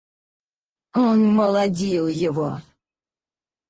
Он молодил его.